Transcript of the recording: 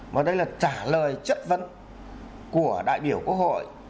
mà đây là trả lời chất vấn của đại biểu quốc hội